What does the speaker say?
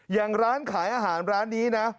อย่างร้านขายอาหารร้านนี้นะ